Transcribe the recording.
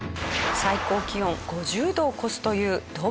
最高気温５０度を超すというドバイ。